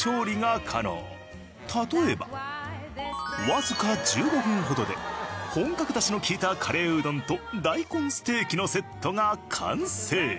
例えばわずか１５分ほどで本格だしの利いたカレーうどんと大根ステーキのセットが完成。